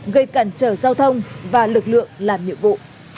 gây cản trở giao thông và lực lượng làm nhiệm vụ